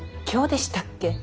今日でしたっけ